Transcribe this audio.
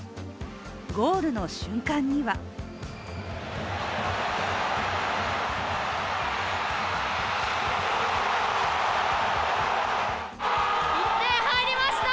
ゴールの瞬間には１点入りました。